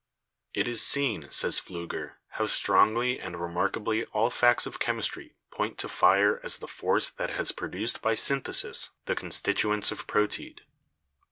"It is seen," says Pfliiger, "how strongly and remarkably all facts of chemistry point to fire as the force that has produced by synthesis the constituents of proteid.